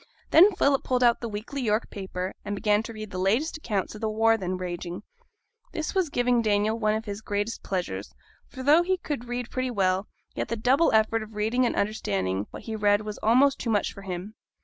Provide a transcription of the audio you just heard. Then Philip pulled out the weekly York paper, and began to read the latest accounts of the war then raging. This was giving Daniel one of his greatest pleasures; for though he could read pretty well, yet the double effort of reading and understanding what he read was almost too much for him.